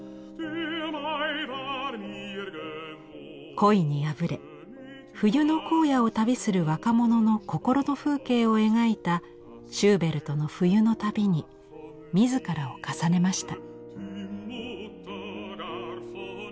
恋に破れ冬の荒野を旅する若者の心の風景を描いたシューベルトの「冬の旅」に自らを重ねました。